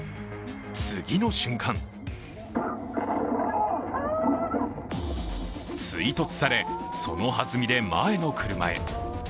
次の瞬間追突され、その弾みで前の車へ。